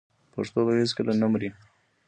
پښتو به هیڅکله نه مري.